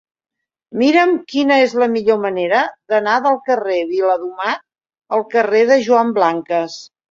Mira'm quina és la millor manera d'anar del carrer de Viladomat al carrer de Joan Blanques.